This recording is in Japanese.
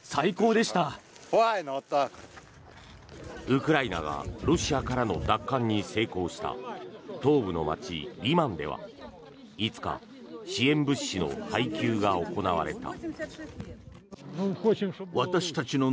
ウクライナがロシアからの奪還に成功した東部の街リマンでは５日支援物資の配給が行われた。